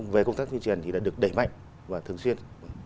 về công tác tuyên truyền thì đã được đẩy mạnh và thường xuyên